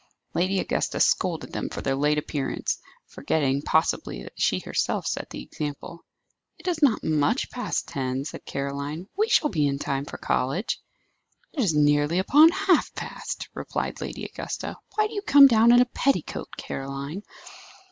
Lady Augusta scolded them for their late appearance, forgetting, possibly, that she herself set the example. "It is not much past ten," said Caroline. "We shall be in time for college." "It is nearly upon half past," replied Lady Augusta. "Why do you come down in a petticoat, Caroline?"